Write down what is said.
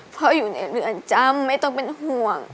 พ่ออยู่ในเรือนจำไม่ต้องเป็นห่วง